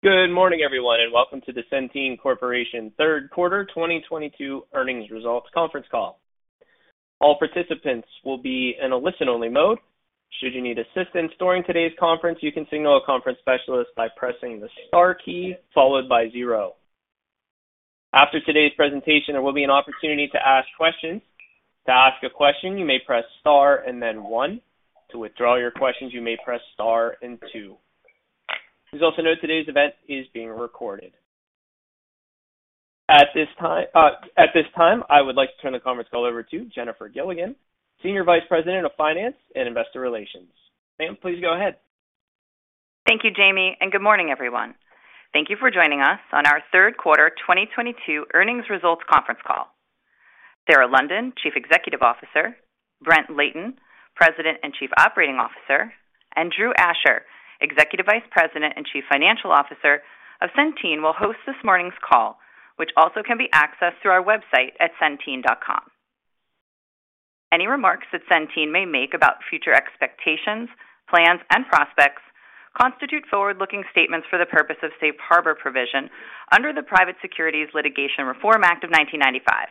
Good morning, everyone, and welcome to the Centene Corporation third Quarter 2022 Earnings Results Conference Call. All participants will be in a listen-only mode. Should you need assistance during today's conference, you can signal a conference specialist by pressing the star key followed by zero. After today's presentation, there will be an opportunity to ask questions. To ask a question, you may press star and then one. To withdraw your questions, you may press star and two. Please also note today's event is being recorded. At this time, I would like to turn the conference call over to Jennifer Gilligan, Senior Vice President of Finance and Investor Relations. Ma'am, please go ahead. Thank you, Jamie, and good morning, everyone. Thank you for joining us on our third quarter 2022 earnings results conference call. Sarah London, Chief Executive Officer, Brent Layton, President and Chief Operating Officer, and Drew Asher, Executive Vice President and Chief Financial Officer of Centene, will host this morning's call, which also can be accessed through our website at centene.com. Any remarks that Centene may make about future expectations, plans, and prospects constitute forward-looking statements for the purpose of safe harbor provision under the Private Securities Litigation Reform Act of 1995.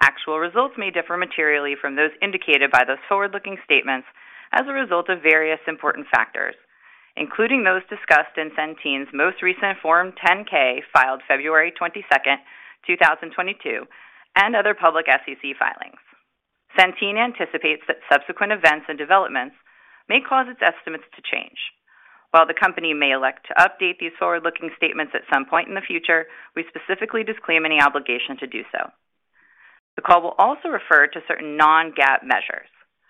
Actual results may differ materially from those indicated by those forward-looking statements as a result of various important factors, including those discussed in Centene's most recent Form 10-K filed February 22, 2022, and other public SEC filings. Centene anticipates that subsequent events and developments may cause its estimates to change. While the Company may elect to update these forward-looking statements at some point in the future, we specifically disclaim any obligation to do so. The call will also refer to certain non-GAAP measures.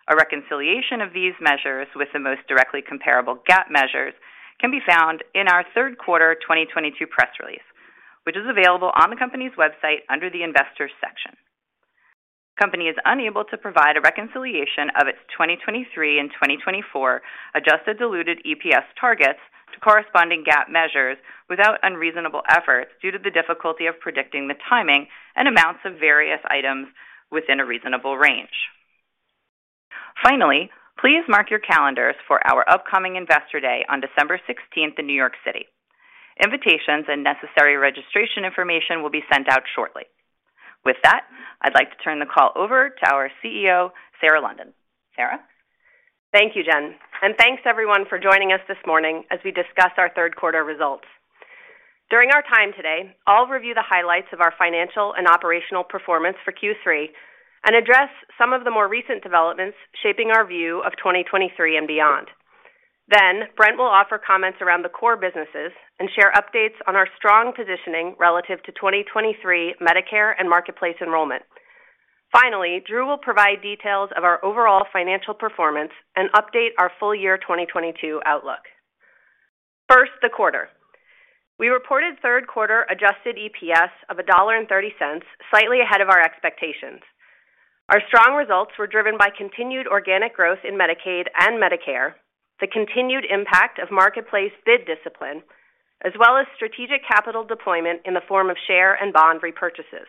A reconciliation of these measures with the most directly comparable GAAP measures can be found in our third quarter 2022 press release, which is available on the company's website under the Investors section. The company is unable to provide a reconciliation of its 2023 and 2024 adjusted diluted EPS targets to corresponding GAAP measures without unreasonable efforts due to the difficulty of predicting the timing and amounts of various items within a reasonable range. Finally, please mark your calendars for our upcoming Investor Day on December 16th in New York City. Invitations and necessary registration information will be sent out shortly. With that, I'd like to turn the call over to our CEO, Sarah London. Sarah? Thank you, Jen, and thanks everyone for joining us this morning as we discuss our third quarter results. During our time today, I'll review the highlights of our financial and operational performance for Q3 and address some of the more recent developments shaping our view of 2023 and beyond. Brent will offer comments around the core businesses and share updates on our strong positioning relative to 2023 Medicare and Marketplace enrollment. Drew will provide details of our overall financial performance and update our full year 2022 outlook. First, the quarter. We reported third quarter adjusted EPS of $1.30, slightly ahead of our expectations. Our strong results were driven by continued organic growth in Medicaid and Medicare, the continued impact of Marketplace bid discipline, as well as strategic capital deployment in the form of share and bond repurchases.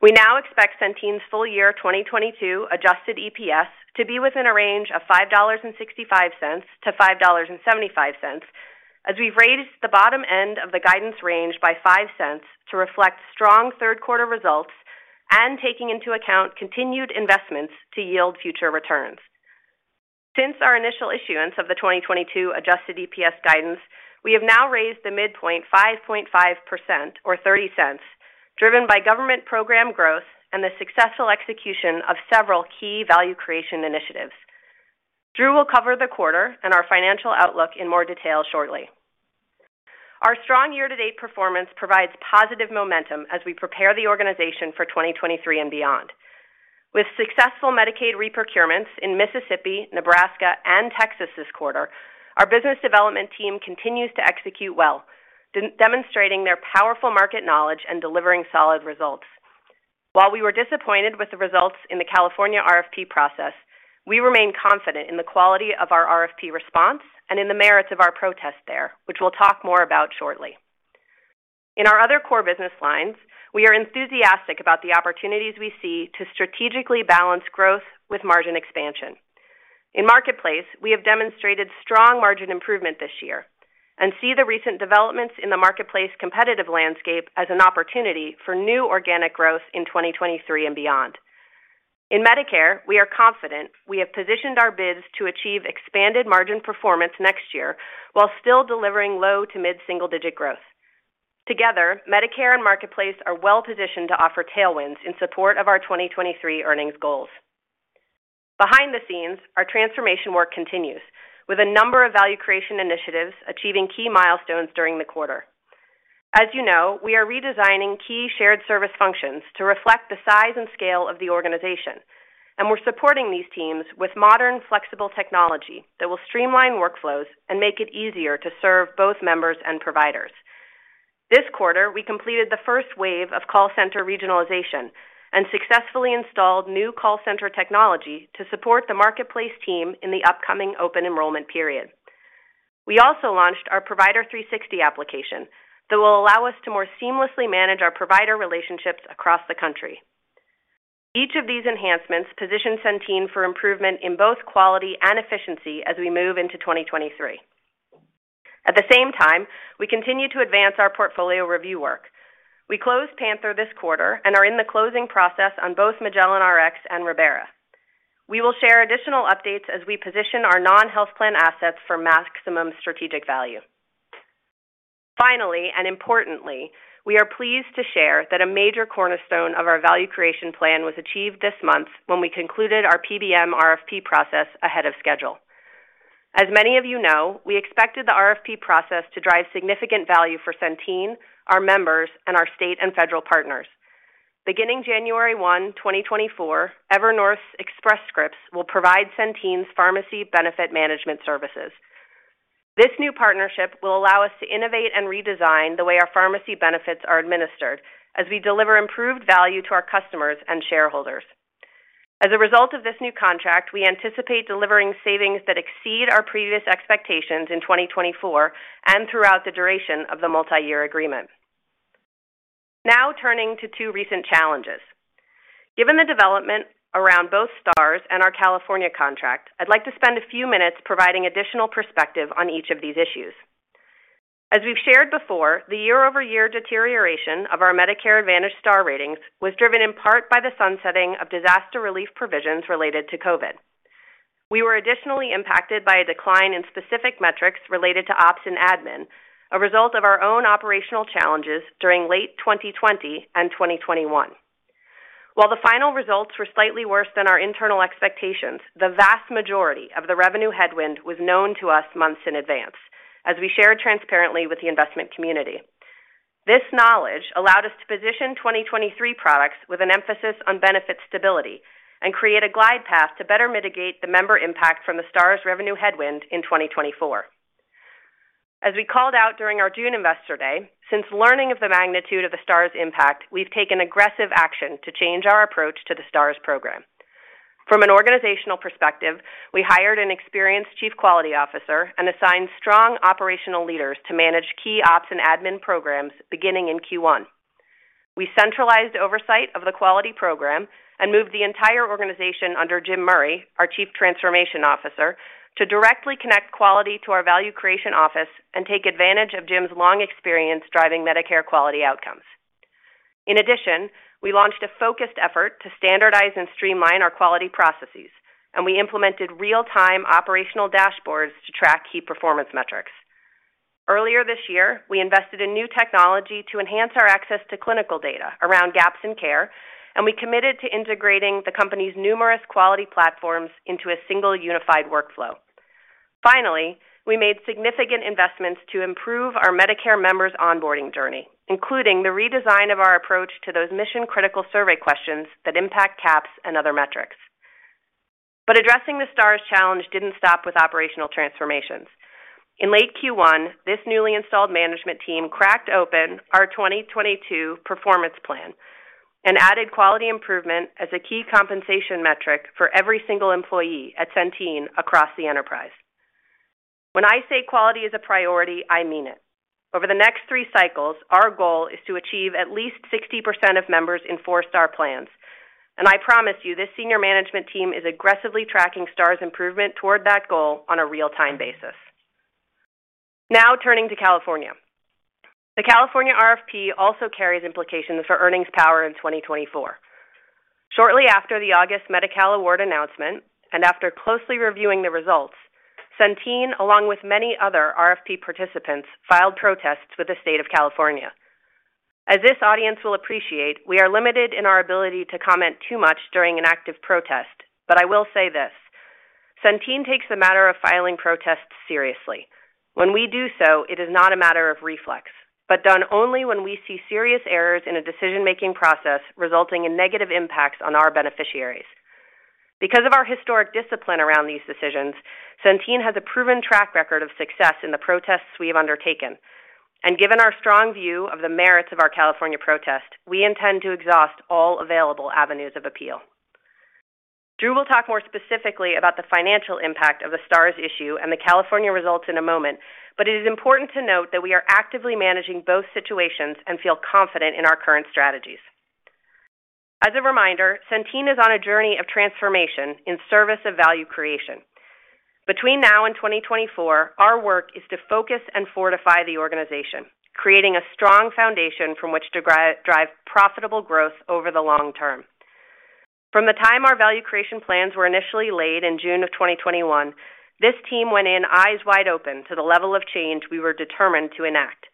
We now expect Centene's full year 2022 adjusted EPS to be within a range of $5.65-$5.75, as we've raised the bottom end of the guidance range by $0.05 to reflect strong third quarter results and taking into account continued investments to yield future returns. Since our initial issuance of the 2022 adjusted EPS guidance, we have now raised the midpoint 5.5%, or $0.30, driven by government program growth and the successful execution of several key value creation initiatives. Drew will cover the quarter and our financial outlook in more detail shortly. Our strong year-to-date performance provides positive momentum as we prepare the organization for 2023 and beyond. With successful Medicaid re-procurements in Mississippi, Nebraska, and Texas this quarter, our business development team continues to execute well, demonstrating their powerful market knowledge and delivering solid results. While we were disappointed with the results in the California RFP process, we remain confident in the quality of our RFP response and in the merits of our protest there, which we'll talk more about shortly. In our other core business lines, we are enthusiastic about the opportunities we see to strategically balance growth with margin expansion. In Marketplace, we have demonstrated strong margin improvement this year and see the recent developments in the Marketplace competitive landscape as an opportunity for new organic growth in 2023 and beyond. In Medicare, we are confident we have positioned our bids to achieve expanded margin performance next year while still delivering low to mid-single digit growth. Together, Medicare and Marketplace are well-positioned to offer tailwinds in support of our 2023 earnings goals. Behind the scenes, our transformation work continues, with a number of value creation initiatives achieving key milestones during the quarter. As you know, we are redesigning key shared service functions to reflect the size and scale of the organization, and we're supporting these teams with modern, flexible technology that will streamline workflows and make it easier to serve both members and providers. This quarter, we completed the first wave of call center regionalization and successfully installed new call center technology to support the Marketplace team in the upcoming open enrollment period. We also launched our Provider 360 application that will allow us to more seamlessly manage our provider relationships across the country. Each of these enhancements positions Centene for improvement in both quality and efficiency as we move into 2023. At the same time, we continue to advance our portfolio review work. We closed Panther this quarter and are in the closing process on both Magellan Rx and Ribera. We will share additional updates as we position our non-health plan assets for maximum strategic value. Finally, and importantly, we are pleased to share that a major cornerstone of our value creation plan was achieved this month when we concluded our PBM RFP process ahead of schedule. As many of you know, we expected the RFP process to drive significant value for Centene, our members, and our state and federal partners. Beginning January 1, 2024, Evernorth Express Scripts will provide Centene's pharmacy benefit management services. This new partnership will allow us to innovate and redesign the way our pharmacy benefits are administered as we deliver improved value to our customers and shareholders. As a result of this new contract, we anticipate delivering savings that exceed our previous expectations in 2024 and throughout the duration of the multi-year agreement. Now turning to two recent challenges. Given the development around both Star Ratings and our California contract, I'd like to spend a few minutes providing additional perspective on each of these issues. As we've shared before, the year-over-year deterioration of our Medicare Advantage Star Ratings was driven in part by the sunsetting of disaster relief provisions related to COVID. We were additionally impacted by a decline in specific metrics related to ops and admin, a result of our own operational challenges during late 2020 and 2021. While the final results were slightly worse than our internal expectations, the vast majority of the revenue headwind was known to us months in advance, as we shared transparently with the investment community. This knowledge allowed us to position 2023 products with an emphasis on benefit stability and create a glide path to better mitigate the member impact from the Stars revenue headwind in 2024. As we called out during our June Investor Day, since learning of the magnitude of the Stars impact, we've taken aggressive action to change our approach to the Stars program. From an organizational perspective, we hired an experienced Chief Quality Officer and assigned strong operational leaders to manage key ops and admin programs beginning in Q1. We centralized oversight of the quality program and moved the entire organization under Jim Murray, our Chief Transformation Officer, to directly connect quality to our Value Creation Office and take advantage of Jim's long experience driving Medicare quality outcomes. In addition, we launched a focused effort to standardize and streamline our quality processes, and we implemented real-time operational dashboards to track key performance metrics. Earlier this year, we invested in new technology to enhance our access to clinical data around gaps in care, and we committed to integrating the company's numerous quality platforms into a single unified workflow. Finally, we made significant investments to improve our Medicare members' onboarding journey, including the redesign of our approach to those mission-critical survey questions that impact CAHPS and other metrics. Addressing the Stars challenge didn't stop with operational transformations. In late Q1, this newly installed management team cracked open our 2022 performance plan and added quality improvement as a key compensation metric for every single employee at Centene across the enterprise. When I say quality is a priority, I mean it. Over the next three cycles, our goal is to achieve at least 60% of members in four-star plans. I promise you this senior management team is aggressively tracking Stars improvement toward that goal on a real-time basis. Now turning to California. The California RFP also carries implications for earnings power in 2024. Shortly after the August Medi-Cal award announcement, and after closely reviewing the results, Centene, along with many other RFP participants, filed protests with the state of California. As this audience will appreciate, we are limited in our ability to comment too much during an active protest, but I will say this. Centene takes the matter of filing protests seriously. When we do so, it is not a matter of reflex, but done only when we see serious errors in a decision-making process resulting in negative impacts on our beneficiaries. Because of our historic discipline around these decisions, Centene has a proven track record of success in the protests we have undertaken. Given our strong view of the merits of our California protest, we intend to exhaust all available avenues of appeal. Drew will talk more specifically about the financial impact of the Stars issue and the California results in a moment, but it is important to note that we are actively managing both situations and feel confident in our current strategies. As a reminder, Centene is on a journey of transformation in service of value creation. Between now and 2024, our work is to focus and fortify the organization, creating a strong foundation from which to drive profitable growth over the long term. From the time our Value Creation plans were initially laid in June of 2021, this team went in eyes wide open to the level of change we were determined to enact.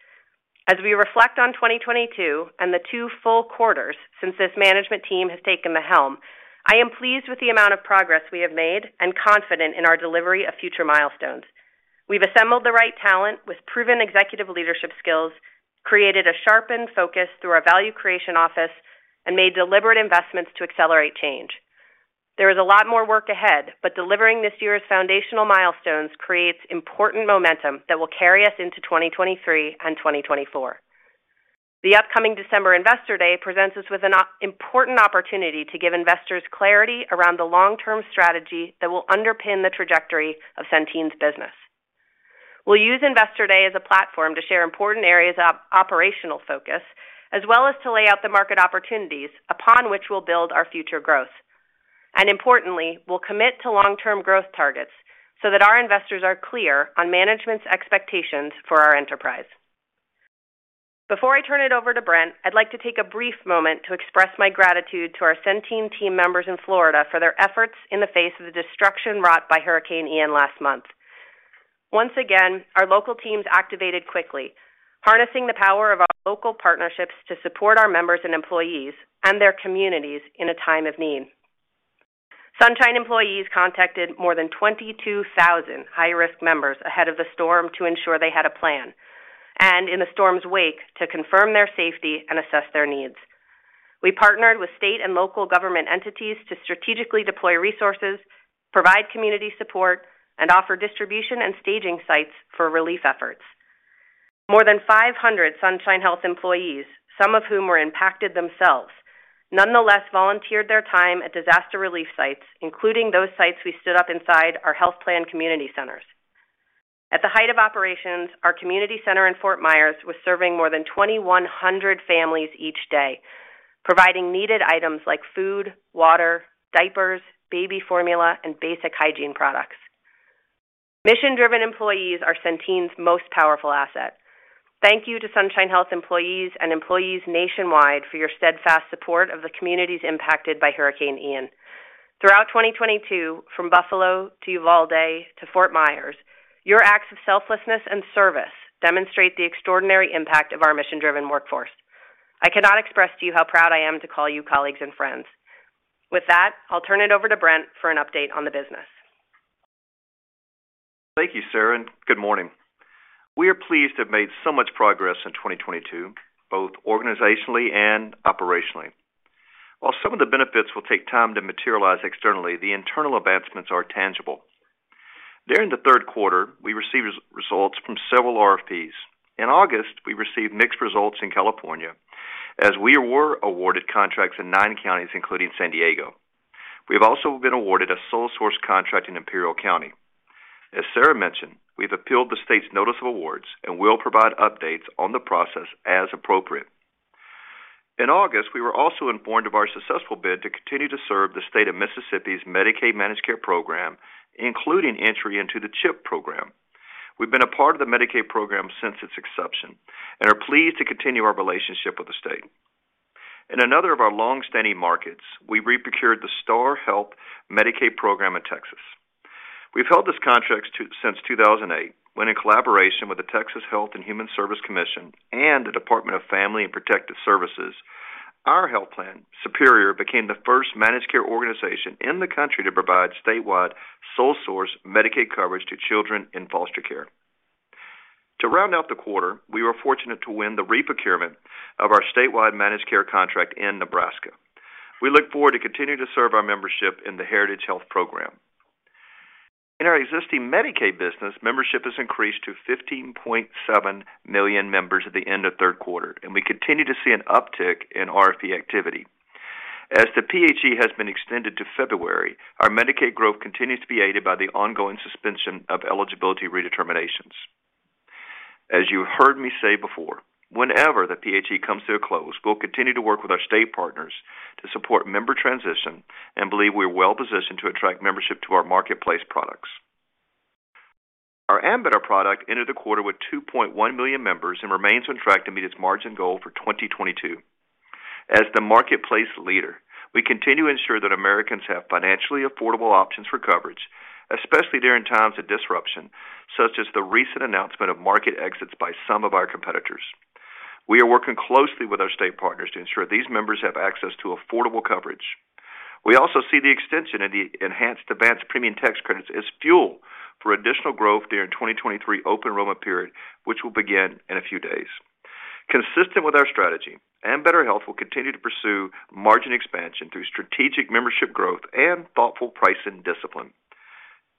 As we reflect on 2022 and the two full quarters since this management team has taken the helm, I am pleased with the amount of progress we have made and confident in our delivery of future milestones. We've assembled the right talent with proven executive leadership skills, created a sharpened focus through our Value Creation Office, and made deliberate investments to accelerate change. There is a lot more work ahead, but delivering this year's foundational milestones creates important momentum that will carry us into 2023 and 2024. The upcoming December Investor Day presents us with an important opportunity to give investors clarity around the long-term strategy that will underpin the trajectory of Centene's business. We'll use Investor Day as a platform to share important areas of operational focus, as well as to lay out the market opportunities upon which we'll build our future growth. Importantly, we'll commit to long-term growth targets so that our investors are clear on management's expectations for our enterprise. Before I turn it over to Brent, I'd like to take a brief moment to express my gratitude to our Centene team members in Florida for their efforts in the face of the destruction wrought by Hurricane Ian last month. Once again, our local teams activated quickly, harnessing the power of our local partnerships to support our members and employees and their communities in a time of need. Sunshine employees contacted more than 22,000 high-risk members ahead of the storm to ensure they had a plan, and in the storm's wake, to confirm their safety and assess their needs. We partnered with state and local government entities to strategically deploy resources, provide community support, and offer distribution and staging sites for relief efforts. More than 500 Sunshine Health employees, some of whom were impacted themselves, nonetheless volunteered their time at disaster relief sites, including those sites we stood up inside our health plan community centers. At the height of operations, our community center in Fort Myers was serving more than 2,100 families each day, providing needed items like food, water, diapers, baby formula, and basic hygiene products. Mission-driven employees are Centene's most powerful asset. Thank you to Sunshine Health employees and employees nationwide for your steadfast support of the communities impacted by Hurricane Ian. Throughout 2022, from Buffalo to Uvalde to Fort Myers, your acts of selflessness and service demonstrate the extraordinary impact of our mission-driven workforce. I cannot express to you how proud I am to call you colleagues and friends. With that, I'll turn it over to Brent for an update on the business. Thank you, Sarah, and good morning. We are pleased to have made so much progress in 2022, both organizationally and operationally. While some of the benefits will take time to materialize externally, the internal advancements are tangible. During the third quarter, we received results from several RFPs. In August, we received mixed results in California, as we were awarded contracts in nine counties, including San Diego. We've also been awarded a sole source contract in Imperial County. As Sarah mentioned, we've appealed the state's notice of awards and will provide updates on the process as appropriate. In August, we were also informed of our successful bid to continue to serve the state of Mississippi's Medicaid Managed Care Program, including entry into the CHIP program. We've been a part of the Medicaid program since its inception and are pleased to continue our relationship with the state. In another of our long-standing markets, we reprocured the STAR Health Medicaid program in Texas. We've held this contract since 2008, when in collaboration with the Texas Health and Human Services Commission and the Department of Family and Protective Services, our health plan, Superior HealthPlan, became the first managed care organization in the country to provide statewide sole source Medicaid coverage to children in foster care. To round out the quarter, we were fortunate to win the reprocurement of our statewide managed care contract in Nebraska. We look forward to continuing to serve our membership in the Heritage Health program. In our existing Medicaid business, membership has increased to 15.7 million members at the end of third quarter, and we continue to see an uptick in RFP activity. As the PHE has been extended to February, our Medicaid growth continues to be aided by the ongoing suspension of eligibility redeterminations. As you heard me say before, whenever the PHE comes to a close, we'll continue to work with our state partners to support member transition and believe we are well-positioned to attract membership to our marketplace products. Our Ambetter product ended the quarter with 2.1 million members and remains on track to meet its margin goal for 2022. As the marketplace leader, we continue to ensure that Americans have financially affordable options for coverage, especially during times of disruption, such as the recent announcement of market exits by some of our competitors. We are working closely with our state partners to ensure these members have access to affordable coverage. We also see the extension of the enhanced Advance Premium Tax Credits as fuel for additional growth during 2023 open enrollment period, which will begin in a few days. Consistent with our strategy, Ambetter Health will continue to pursue margin expansion through strategic membership growth and thoughtful pricing discipline.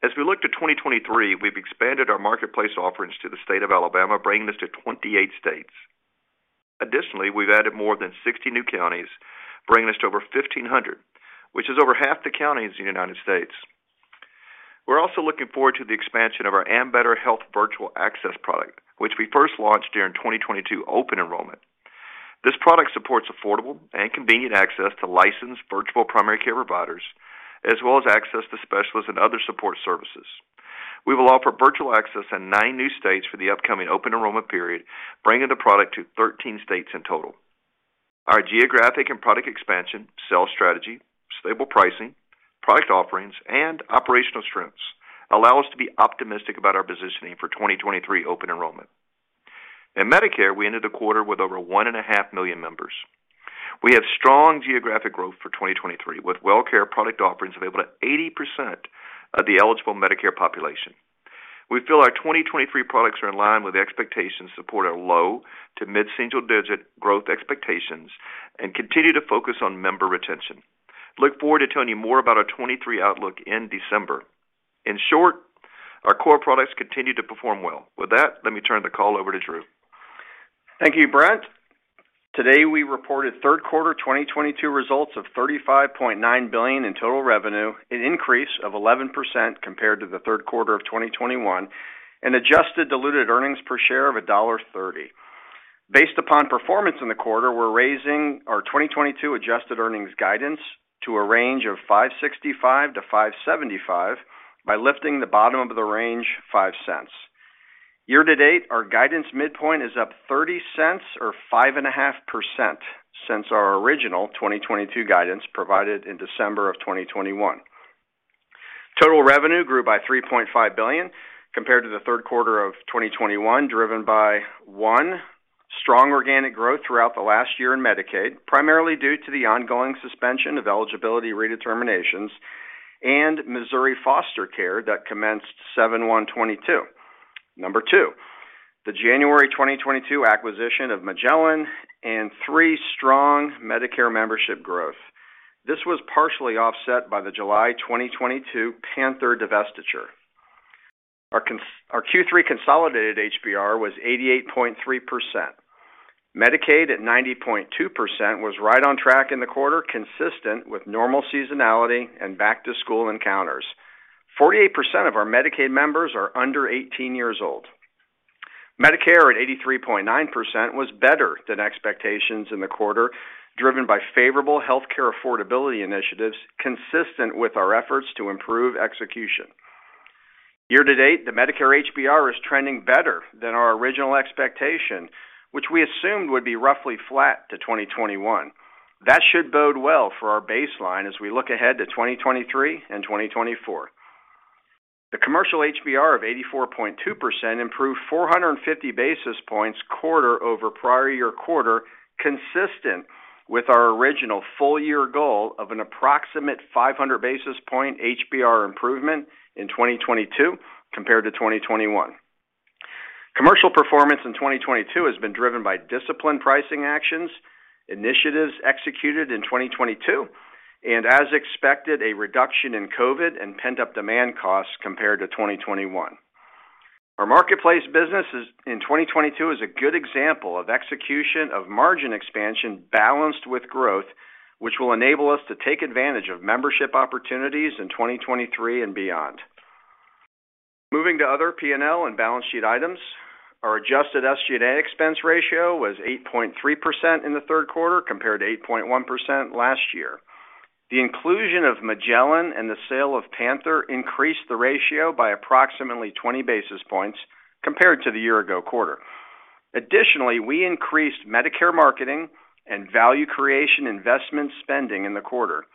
As we look to 2023, we've expanded our marketplace offerings to the state of Alabama, bringing us to 28 states. Additionally, we've added more than 60 new counties, bringing us to over 1,500, which is over half the counties in the United States. We're also looking forward to the expansion of our Ambetter Health Virtual Access product, which we first launched during 2022 open enrollment. This product supports affordable and convenient access to licensed virtual primary care providers, as well as access to specialists and other support services. We will offer virtual access in nine new states for the upcoming open enrollment period, bringing the product to 13 states in total. Our geographic and product expansion, sales strategy, stable pricing, product offerings, and operational strengths allow us to be optimistic about our positioning for 2023 open enrollment. In Medicare, we ended the quarter with over 1.5 million members. We have strong geographic growth for 2023, with Wellcare product offerings available to 80% of the eligible Medicare population. We feel our 2023 products are in line with expectations support a low- to mid-single-digit growth expectations and continue to focus on member retention. Look forward to telling you more about our 2023 outlook in December. In short, our core products continue to perform well. With that, let me turn the call over to Drew. Thank you, Brent. Today, we reported third quarter 2022 results of $35.9 billion in total revenue, an increase of 11% compared to the third quarter of 2021, an adjusted diluted earnings per share of $1.30. Based upon performance in the quarter, we're raising our 2022 adjusted earnings guidance to a range of $5.65-$5.75 by lifting the bottom of the range $0.05. Year to date, our guidance midpoint is up $0.30, or 5.5% since our original 2022 guidance provided in December 2021. Total revenue grew by $3.5 billion compared to the third quarter of 2021, driven by one, strong organic growth throughout the last year in Medicaid, primarily due to the ongoing suspension of eligibility redeterminations and Missouri Foster Care that commenced 7/1/2022. Number two, the January 2022 acquisition of Magellan, and three, strong Medicare membership growth. This was partially offset by the July 2022 PANTHERx divestiture. Our Q3 consolidated HBR was 88.3%. Medicaid at 90.2% was right on track in the quarter, consistent with normal seasonality and back-to-school encounters. 48% of our Medicaid members are under 18 years old. Medicare at 83.9% was better than expectations in the quarter, driven by favorable healthcare affordability initiatives consistent with our efforts to improve execution. Year to date, the Medicare HBR is trending better than our original expectation, which we assumed would be roughly flat to 2021. That should bode well for our baseline as we look ahead to 2023 and 2024. The commercial HBR of 84.2% improved 450 basis points quarter over prior year quarter, consistent with our original full year goal of an approximate 500 basis point HBR improvement in 2022 compared to 2021. Commercial performance in 2022 has been driven by disciplined pricing actions, initiatives executed in 2022, and, as expected, a reduction in COVID and pent-up demand costs compared to 2021. Our Marketplace business in 2022 is a good example of execution of margin expansion balanced with growth, which will enable us to take advantage of membership opportunities in 2023 and beyond. Moving to other P&L and balance sheet items. Our adjusted SG&A expense ratio was 8.3% in the third quarter compared to 8.1% last year. The inclusion of Magellan and the sale of PANTHERx increased the ratio by approximately 20 basis points compared to the year ago quarter. Additionally, we increased Medicare marketing and value creation investment spending in the quarter.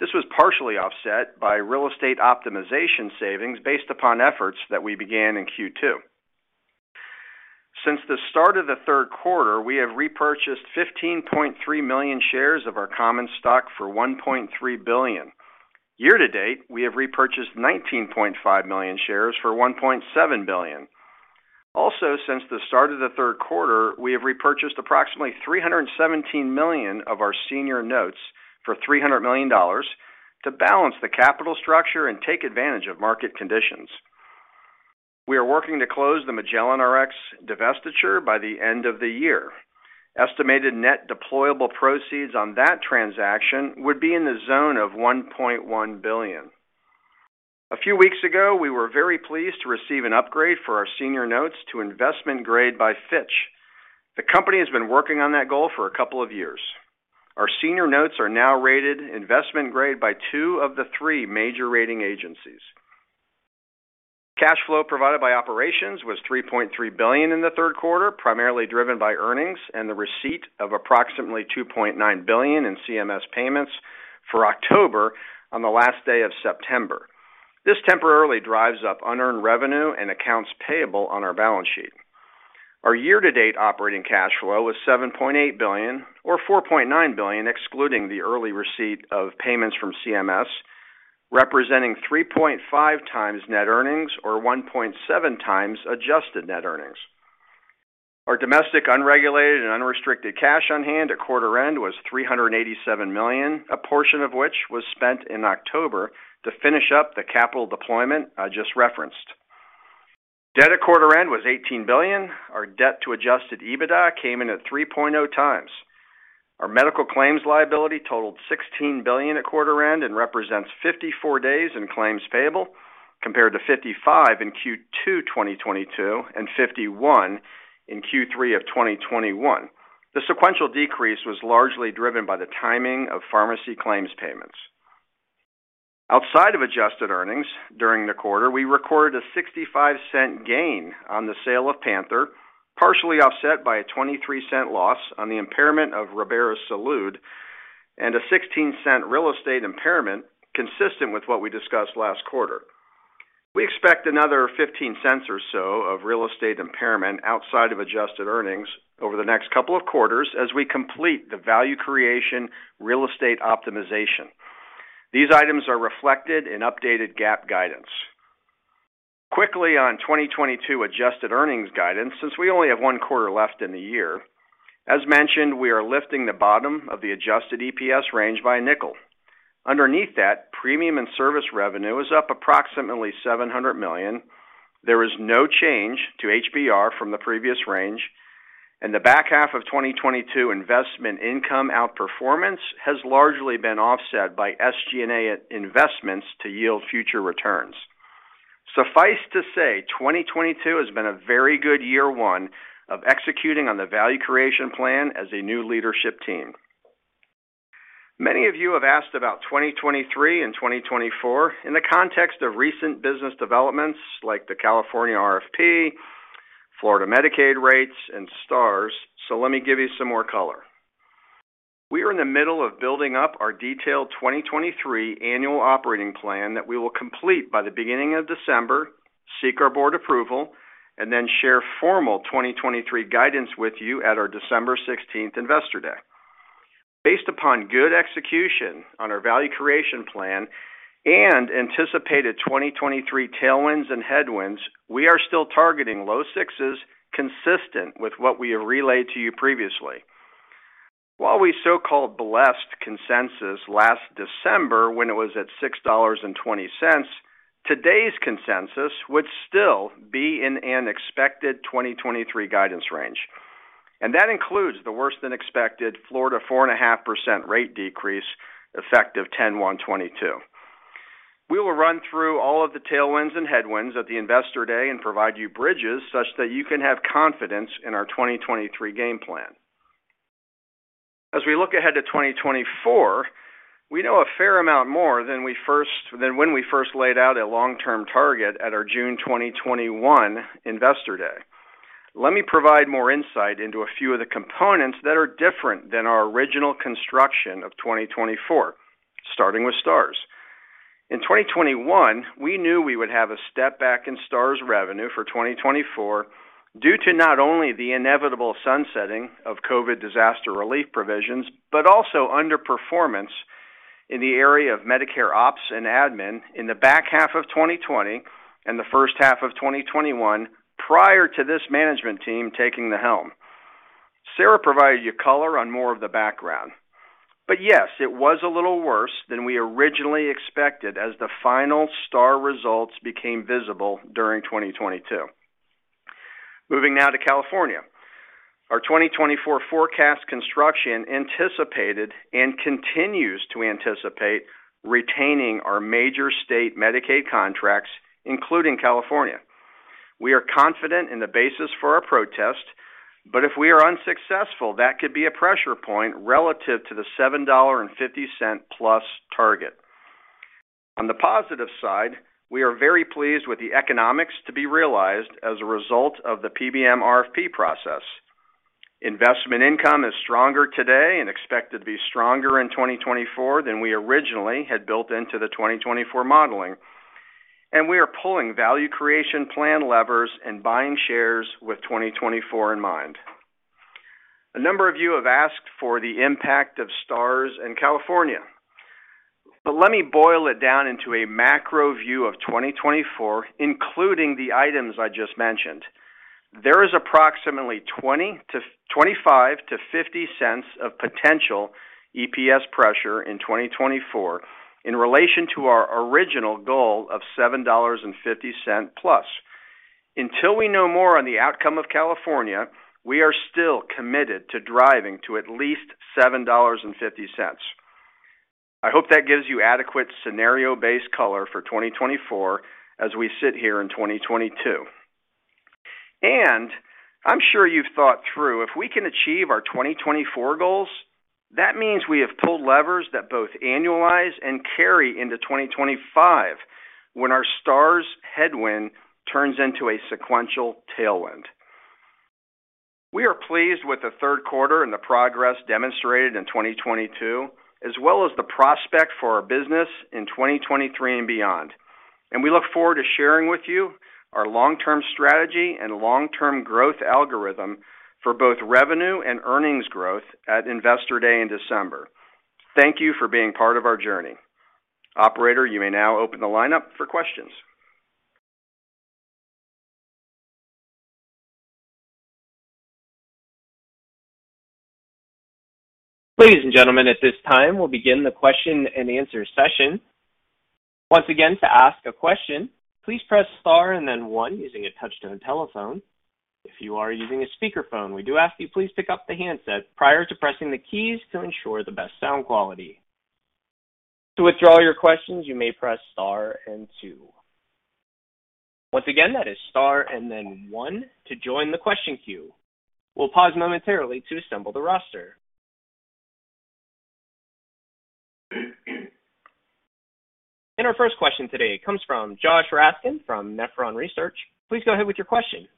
This was partially offset by real estate optimization savings based upon efforts that we began in Q2. Since the start of the third quarter, we have repurchased 15.3 million shares of our common stock for $1.3 billion. Year to date, we have repurchased 19.5 million shares for $1.7 billion. Also, since the start of the third quarter, we have repurchased approximately $317 million of our senior notes for $300 million to balance the capital structure and take advantage of market conditions. We are working to close the Magellan Rx divestiture by the end of the year. Estimated net deployable proceeds on that transaction would be in the zone of $1.1 billion. A few weeks ago, we were very pleased to receive an upgrade for our senior notes to investment grade by Fitch Ratings. The company has been working on that goal for a couple of years. Our senior notes are now rated investment grade by two of the three major rating agencies. Cash flow provided by operations was $3.3 billion in the third quarter, primarily driven by earnings and the receipt of approximately $2.9 billion in CMS payments for October on the last day of September. This temporarily drives up unearned revenue and accounts payable on our balance sheet. Our year-to-date operating cash flow was $7.8 billion, or $4.9 billion, excluding the early receipt of payments from CMS, representing 3.5x net earnings or 1.7x adjusted net earnings. Our domestic unregulated and unrestricted cash on hand at quarter end was $387 million, a portion of which was spent in October to finish up the capital deployment I just referenced. Debt at quarter end was $18 billion. Our debt to adjusted EBITDA came in at 3.0x. Our medical claims liability totaled $16 billion at quarter end and represents 54 days in claims payable, compared to 55 in Q2 2022, and 51 in Q3 2021. The sequential decrease was largely driven by the timing of pharmacy claims payments. Outside of adjusted earnings during the quarter, we recorded a $0.65 gain on the sale of PANTHERx, partially offset by a $0.23 loss on the impairment of Ribera Salud, and a $0.16 real estate impairment consistent with what we discussed last quarter. We expect another $0.15 or so of real estate impairment outside of adjusted earnings over the next couple of quarters as we complete the value creation real estate optimization. These items are reflected in updated GAAP guidance. Quickly on 2022 adjusted earnings guidance, since we only have one quarter left in the year. As mentioned, we are lifting the bottom of the adjusted EPS range by a nickel. Underneath that, premium and service revenue is up approximately $700 million. There is no change to HBR from the previous range, and the back half of 2022 investment income outperformance has largely been offset by SG&A investments to yield future returns. Suffice to say, 2022 has been a very good year one of executing on the value creation plan as a new leadership team. Many of you have asked about 2023 and 2024 in the context of recent business developments like the California RFP, Florida Medicaid rates, and Stars. Let me give you some more color. We are in the middle of building up our detailed 2023 annual operating plan that we will complete by the beginning of December, seek our board approval, and then share formal 2023 guidance with you at our December 16 investor day. Based upon good execution on our Value Creation Plan and anticipated 2023 tailwinds and headwinds, we are still targeting low sixes, consistent with what we have relayed to you previously. While we so-called blessed consensus last December when it was at $6.20, today's consensus would still be in an expected 2023 guidance range, and that includes the worse than expected Florida 4.5% rate decrease effective 10/1/2022. We will run through all of the tailwinds and headwinds at the Investor Day and provide you bridges such that you can have confidence in our 2023 game plan. As we look ahead to 2024, we know a fair amount more than when we first laid out a long-term target at our June 2021 Investor Day. Let me provide more insight into a few of the components that are different than our original construction of 2024, starting with Stars. In 2021, we knew we would have a step back in Stars revenue for 2024 due to not only the inevitable sunsetting of COVID disaster relief provisions, but also underperformance in the area of Medicare ops and admin in the back half of 2020 and the first half of 2021 prior to this management team taking the helm. Sarah provided you color on more of the background. Yes, it was a little worse than we originally expected as the final Stars results became visible during 2022. Moving now to California. Our 2024 forecast construction anticipated and continues to anticipate retaining our major state Medicaid contracts, including California. We are confident in the basis for our protest, but if we are unsuccessful, that could be a pressure point relative to the $7.50+ target. On the positive side, we are very pleased with the economics to be realized as a result of the PBM RFP process. Investment income is stronger today and expected to be stronger in 2024 than we originally had built into the 2024 modeling. We are pulling value creation plan levers and buying shares with 2024 in mind. A number of you have asked for the impact of Stars in California, but let me boil it down into a macro view of 2024, including the items I just mentioned. There is approximately 25 to 50 cents of potential EPS pressure in 2024 in relation to our original goal of $7.50+. Until we know more on the outcome of California, we are still committed to driving to at least $7.50. I hope that gives you adequate scenario-based color for 2024 as we sit here in 2022. I'm sure you've thought through, if we can achieve our 2024 goals, that means we have pulled levers that both annualize and carry into 2025, when our Stars headwind turns into a sequential tailwind. We are pleased with the third quarter and the progress demonstrated in 2022, as well as the prospect for our business in 2023 and beyond, and we look forward to sharing with you our long-term strategy and long-term growth algorithm for both revenue and earnings growth at Investor Day in December. Thank you for being part of our journey. Operator, you may now open the lineup for questions. Ladies and gentlemen, at this time, we'll begin the question and answer session. Once again, to ask a question, please press star and then one using a touch-tone telephone. If you are using a speakerphone, we do ask you please pick up the handset prior to pressing the keys to ensure the best sound quality. To withdraw your questions, you may press star and two. Once again, that is star and then one to join the question queue. We'll pause momentarily to assemble the roster. Our first question today comes from Josh Raskin from Nephron Research. Please go ahead with your question.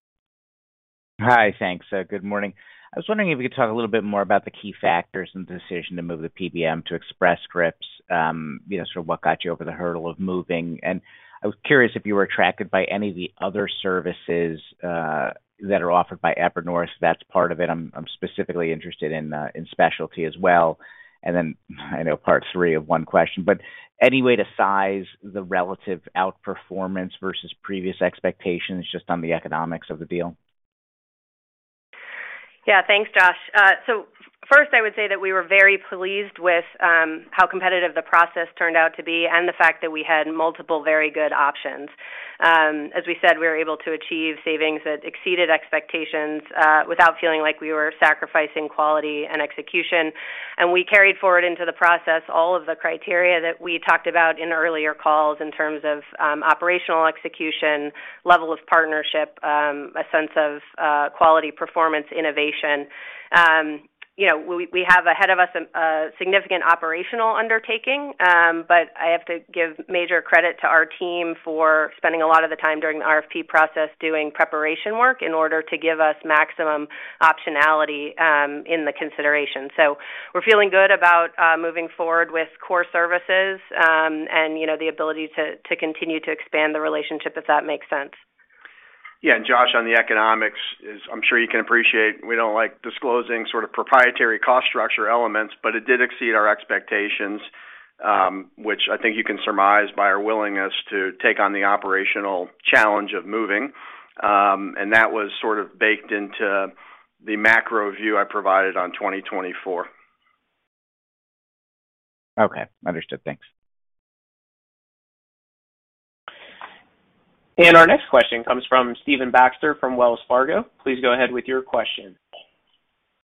Hi. Thanks. Good morning. I was wondering if you could talk a little bit more about the key factors in the decision to move the PBM to Express Scripts, sort of what got you over the hurdle of moving. I was curious if you were attracted by any of the other services that are offered by AmerisourceBergen if that's part of it. I'm specifically interested in specialty as well. I know part three of one question, but any way to size the relative outperformance versus previous expectations just on the economics of the deal? Yeah. Thanks, Josh. So first, I would say that we were very pleased with how competitive the process turned out to be and the fact that we had multiple very good options. As we said, we were able to achieve savings that exceeded expectations without feeling like we were sacrificing quality and execution. We carried forward into the process all of the criteria that we talked about in earlier calls in terms of operational execution, level of partnership, a sense of quality, performance, innovation. You know, we have ahead of us a significant operational undertaking, but I have to give major credit to our team for spending a lot of the time during the RFP process doing preparation work in order to give us maximum optionality in the consideration. We're feeling good about moving forward with core services, and, you know, the ability to continue to expand the relationship, if that makes sense. Yeah. Josh, on the economics is I'm sure you can appreciate, we don't like disclosing sort of proprietary cost structure elements, but it did exceed our expectations, which I think you can surmise by our willingness to take on the operational challenge of moving. That was sort of baked into the macro view I provided on 2024. Okay. Understood. Thanks. Our next question comes from Stephen Baxter from Wells Fargo. Please go ahead with your question.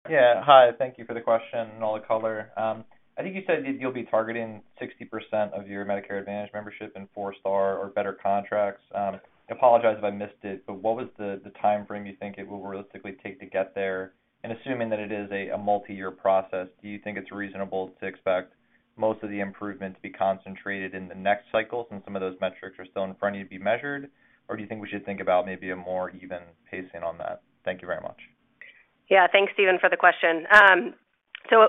Yeah. Hi, thank you for the question and all the color. I think you said you'll be targeting 60% of your Medicare Advantage membership in four-star or better contracts. I apologize if I missed it, but what was the timeframe you think it will realistically take to get there? Assuming that it is a multi-year process, do you think it's reasonable to expect most of the improvements to be concentrated in the next cycle since some of those metrics are still in front of you to be measured? Or do you think we should think about maybe a more even pacing on that? Thank you very much. Yeah. Thanks, Stephen, for the question.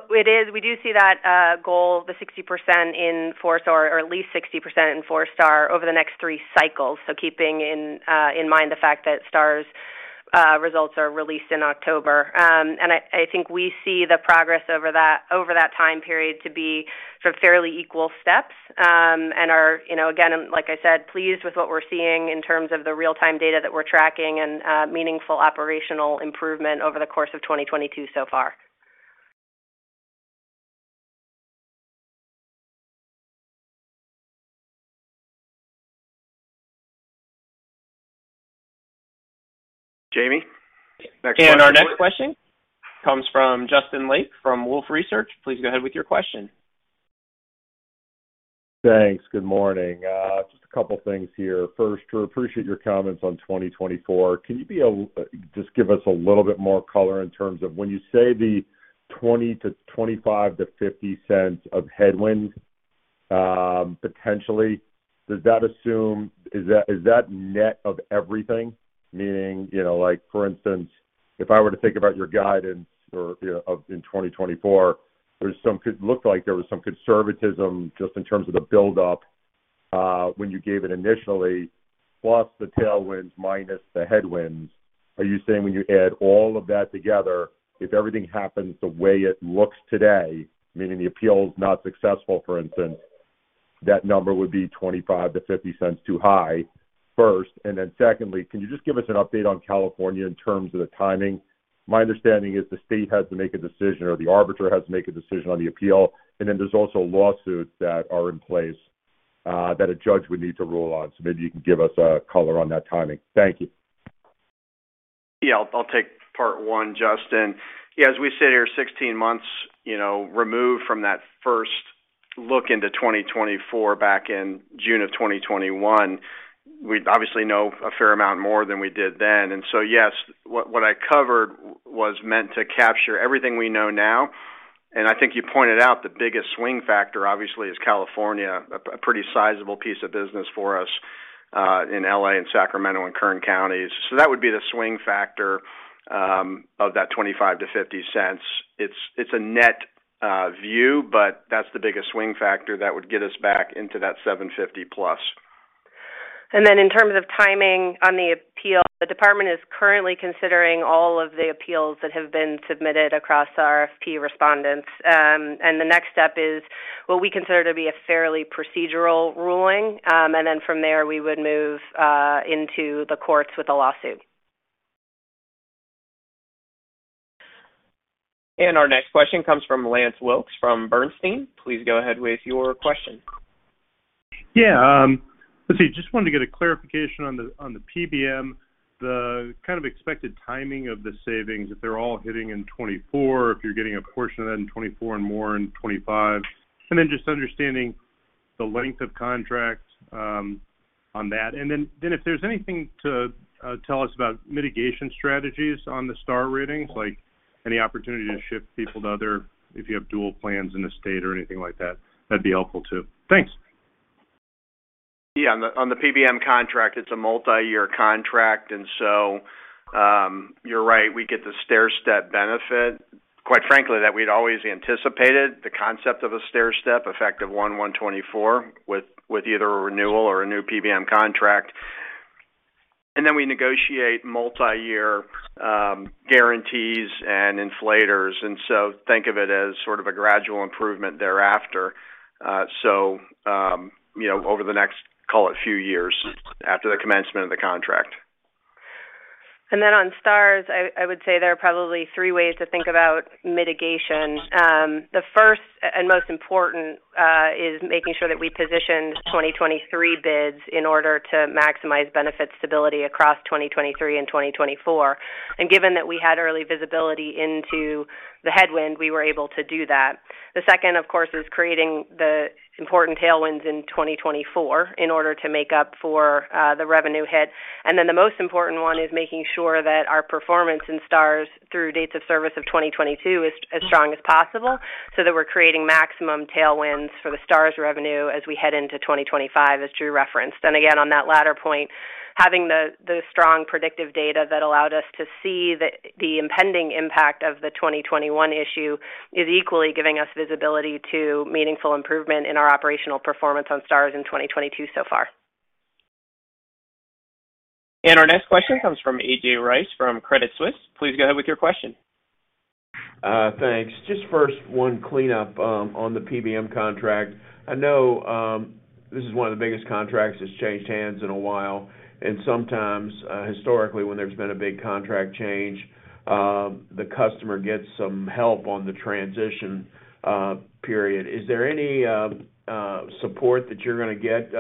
We do see that goal, the 60% in four-star or at least 60% in four-star over the next three cycles. Keeping in mind the fact that Stars results are released in October. I think we see the progress over that time period to be sort of fairly equal steps, and are, you know, again, like I said, pleased with what we're seeing in terms of the real-time data that we're tracking and meaningful operational improvement over the course of 2022 so far. Jamie? Our next question comes from Justin Lake from Wolfe Research. Please go ahead with your question. Thanks. Good morning. Just a couple of things here. First, Drew, appreciate your comments on 2024. Just give us a little bit more color in terms of when you say the 20 to 25 to 50 cents of headwind, potentially. Does that assume? Is that net of everything? Meaning, you know, like, for instance, if I were to think about your guidance or, you know, in 2024, it looked like there was some conservatism just in terms of the buildup, when you gave it initially, plus the tailwinds minus the headwinds. Are you saying when you add all of that together, if everything happens the way it looks today, meaning the appeal is not successful, for instance, that number would be $0.25-$0.50 too high? First, and then secondly, can you just give us an update on California in terms of the timing? My understanding is the state has to make a decision or the arbiter has to make a decision on the appeal, and then there's also lawsuits that are in place, that a judge would need to rule on. Maybe you can give us a color on that timing. Thank you. Yeah, I'll take part one, Justin. Yeah, as we sit here 16 months, you know, removed from that first look into 2024 back in June of 2021, we obviously know a fair amount more than we did then. Yes, what I covered was meant to capture everything we know now. I think you pointed out the biggest swing factor, obviously, is California, a pretty sizable piece of business for us in L.A. and Sacramento and Kern counties. That would be the swing factor of that $0.25-$0.50. It's a net view, but that's the biggest swing factor that would get us back into that $7.50+. In terms of timing on the appeal, the department is currently considering all of the appeals that have been submitted across RFP respondents. The next step is what we consider to be a fairly procedural ruling. From there, we would move into the courts with a lawsuit. Our next question comes from Lance Wilkes from Bernstein. Please go ahead with your question. Yeah. Let's see. Just wanted to get a clarification on the PBM, the kind of expected timing of the savings, if they're all hitting in 2024, if you're getting a portion of that in 2024 and more in 2025, and then just understanding the length of contracts on that. If there's anything to tell us about mitigation strategies on the Star Ratings, like any opportunity to shift people to other if you have dual plans in the state or anything like that'd be helpful too. Thanks. Yeah. On the PBM contract, it's a multi-year contract, and so you're right, we get the stair-step benefit. Quite frankly, that we'd always anticipated the concept of a stair-step effective 1/1/2024 with either a renewal or a new PBM contract. Then we negotiate multi-year guarantees and inflators. Think of it as sort of a gradual improvement thereafter. You know, over the next, call it, few years after the commencement of the contract. On Stars, I would say there are probably three ways to think about mitigation. The first and most important is making sure that we position 2023 bids in order to maximize benefit stability across 2023 and 2024. Given that we had early visibility into the headwind, we were able to do that. The second, of course, is creating the important tailwinds in 2024 in order to make up for the revenue hit. The most important one is making sure that our performance in Stars through dates of service of 2022 is as strong as possible, so that we're creating maximum tailwinds for the Stars revenue as we head into 2025, as Drew referenced. Again, on that latter point, having the strong predictive data that allowed us to see the impending impact of the 2021 issue is equally giving us visibility to meaningful improvement in our operational performance on Stars in 2022 so far. Our next question comes from A.J. Rice from Credit Suisse. Please go ahead with your question. Thanks. Just first one cleanup on the PBM contract. I know this is one of the biggest contracts that's changed hands in a while, and sometimes historically, when there's been a big contract change, the customer gets some help on the transition period. Is there any support that you're gonna get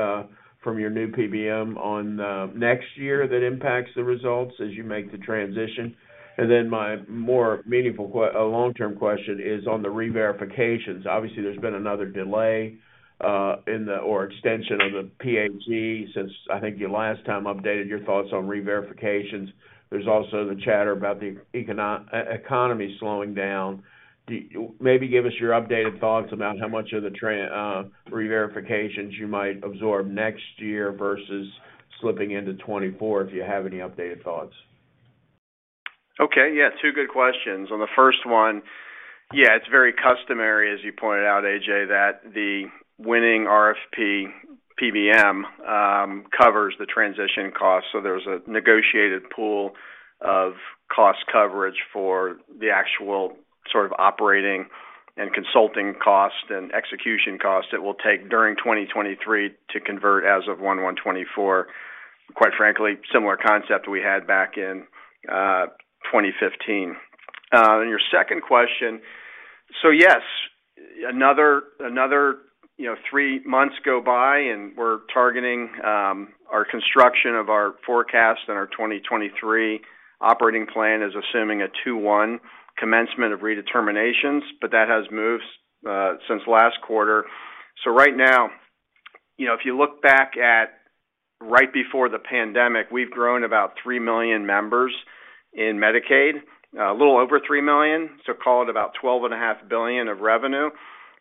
from your new PBM on next year that impacts the results as you make the transition? Then my more meaningful long-term question is on the reverifications. Obviously, there's been another delay in the extension of the PHE since I think you last time updated your thoughts on reverifications. There's also the chatter about the economy slowing down. Maybe give us your updated thoughts about how much of the reverifications you might absorb next year versus slipping into 2024, if you have any updated thoughts. Okay. Yeah, two good questions. On the first one, yeah, it's very customary, as you pointed out, A.J., that the winning RFP PBM covers the transition costs. There's a negotiated pool of cost coverage for the actual sort of operating and consulting costs and execution costs it will take during 2023 to convert as of 1/1/2024. Quite frankly, similar concept we had back in 2015. On your second question, yes, another you know three months go by, and we're targeting our construction of our forecast and our 2023 operating plan is assuming a 2/1 commencement of redeterminations, but that has moved since last quarter. Right now, you know, if you look back at right before the pandemic, we've grown about 3 million members in Medicaid, a little over 3 million, so call it about $12.5 billion of revenue.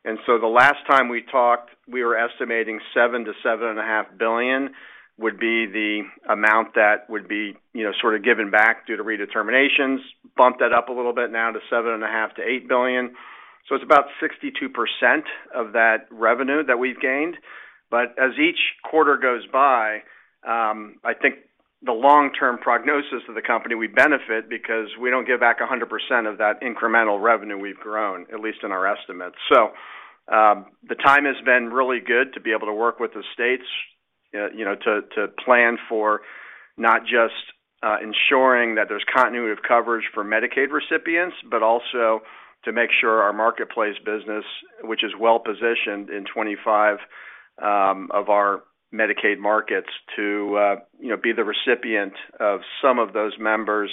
The last time we talked, we were estimating $7 billion-$7.5 billion would be the amount that would be, you know, sort of given back due to redeterminations. Bump that up a little bit now to $7.5 billion-$8 billion. It's about 62% of that revenue that we've gained. As each quarter goes by, I think the long-term prognosis of the company, we benefit because we don't give back 100% of that incremental revenue we've grown, at least in our estimates. The time has been really good to be able to work with the states, you know, to plan for not just ensuring that there's continuity of coverage for Medicaid recipients, but also to make sure our marketplace business, which is well-positioned in 25 of our Medicaid markets, you know, be the recipient of some of those members.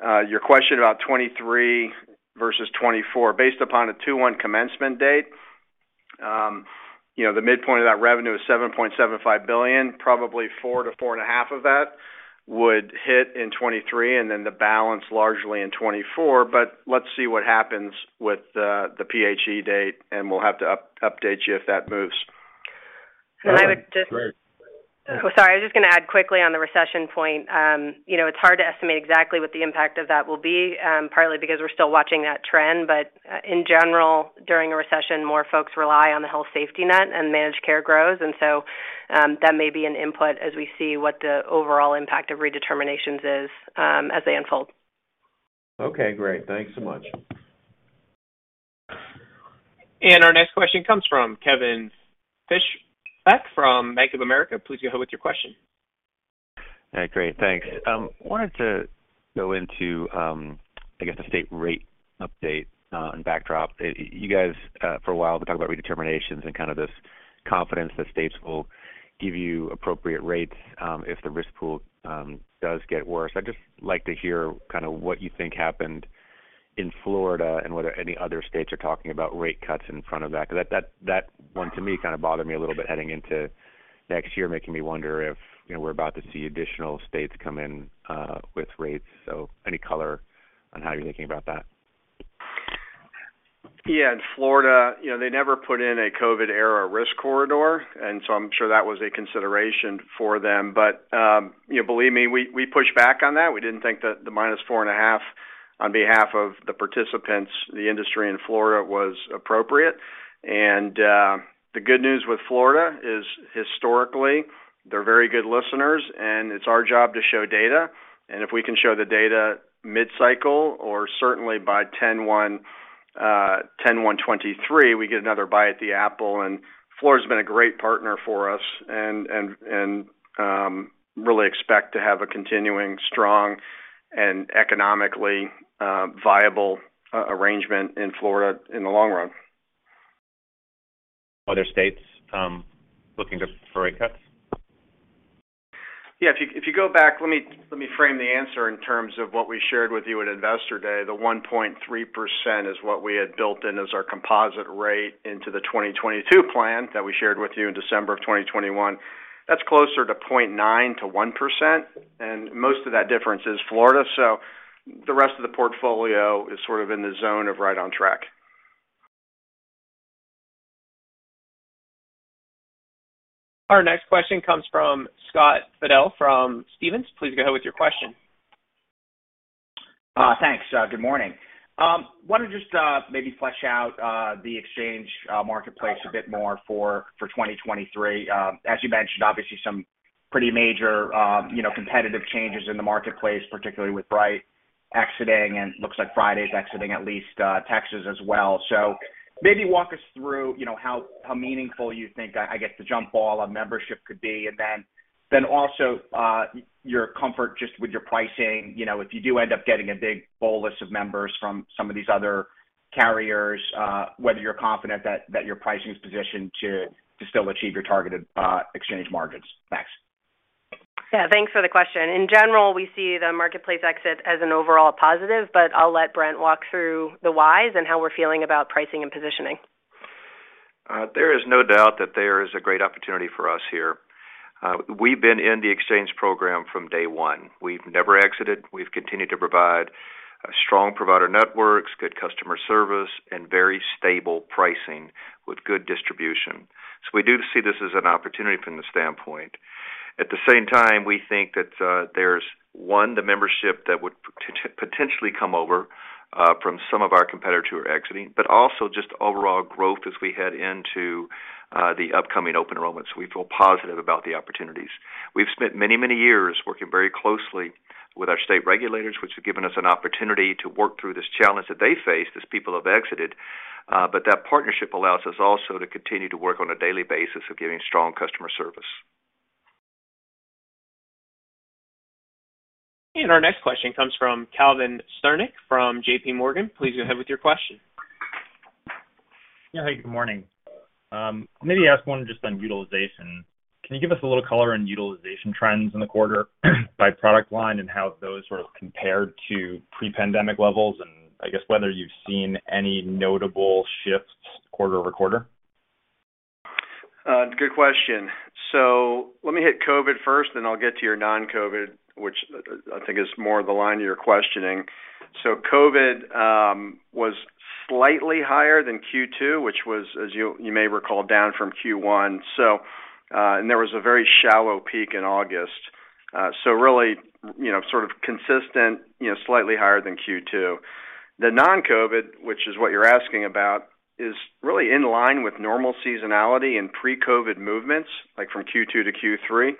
Your question about 2023 versus 2024. Based upon a 2/1 commencement date, you know, the midpoint of that revenue is $7.75 billion. Probably $4 billion-$4.5 billion of that would hit in 2023, and then the balance largely in 2024. Let's see what happens with the PHE date, and we'll have to update you if that moves. I would just Great. Sorry, I was just gonna add quickly on the recession point. You know, it's hard to estimate exactly what the impact of that will be, partly because we're still watching that trend. In general, during a recession, more folks rely on the health safety net and managed care grows. That may be an input as we see what the overall impact of redeterminations is, as they unfold. Okay, great. Thanks so much. Our next question comes from Kevin Fischbeck from Bank of America. Please go ahead with your question. Great. Thanks. Wanted to go into, I guess, the state rate update and backdrop. You guys for a while have been talking about redeterminations and kind of this confidence that states will give you appropriate rates, if the risk pool does get worse. I'd just like to hear kind of what you think happened in Florida and whether any other states are talking about rate cuts in front of that. 'Cause that one to me kind of bothered me a little bit heading into next year, making me wonder if, you know, we're about to see additional states come in with rates. Any color on how you're thinking about that? Yeah. In Florida, you know, they never put in a COVID era risk corridor, and so I'm sure that was a consideration for them. You know, believe me, we pushed back on that. We didn't think that the -4.5% on behalf of the participants, the industry in Florida was appropriate. The good news with Florida is historically they're very good listeners, and it's our job to show data. If we can show the data mid-cycle or certainly by 10/1/2023, we get another bite at the apple. Florida has been a great partner for us, and really expect to have a continuing strong and economically viable arrangement in Florida in the long run. Other states, looking to rate cuts? Yeah. If you go back, let me frame the answer in terms of what we shared with you at Investor Day. The 1.3% is what we had built in as our composite rate into the 2022 plan that we shared with you in December of 2021. That's closer to 0.9%-1%, and most of that difference is Florida. The rest of the portfolio is sort of in the zone of right on track. Our next question comes from Scott Fidel from Stephens. Please go ahead with your question. Thanks. Good morning. Want to just maybe flesh out the exchange marketplace a bit more for 2023. As you mentioned, obviously some pretty major, you know, competitive changes in the marketplace, particularly with Bright exiting, and looks like Friday's exiting at least Texas as well. Maybe walk us through, you know, how meaningful you think I guess the jump ball on membership could be. Then also your comfort just with your pricing, you know, if you do end up getting a big pool list of members from some of these other carriers, whether you're confident that your pricing is positioned to still achieve your targeted exchange margins? Thanks. Yeah. Thanks for the question. In general, we see the marketplace exit as an overall positive, but I'll let Brent walk through the whys and how we're feeling about pricing and positioning. There is no doubt that there is a great opportunity for us here. We've been in the exchange program from day one. We've never exited. We've continued to provide strong provider networks, good customer service, and very stable pricing with good distribution. We do see this as an opportunity from this standpoint. At the same time, we think that, there's one, the membership that would potentially come over from some of our competitors who are exiting, but also just overall growth as we head into the upcoming open enrollment. We feel positive about the opportunities. We've spent many, many years working very closely with our state regulators, which have given us an opportunity to work through this challenge that they face as people have exited. that partnership allows us also to continue to work on a daily basis of giving strong customer service. Our next question comes from Calvin Sternick from JPMorgan. Please go ahead with your question. Yeah. Hey, good morning. Maybe ask one just on utilization. Can you give us a little color on utilization trends in the quarter by product line and how those sort of compared to pre-pandemic levels, and I guess whether you've seen any notable shifts quarter over quarter? Good question. Let me hit COVID first, then I'll get to your non-COVID, which I think is more of the line of your questioning. COVID was slightly higher than Q2, which was, as you may recall, down from Q1. There was a very shallow peak in August. Really, you know, sort of consistent, you know, slightly higher than Q2. The non-COVID, which is what you're asking about, is really in line with normal seasonality and pre-COVID movements, like from Q2 to Q3.